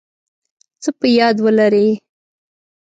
څه په یاد ولرئ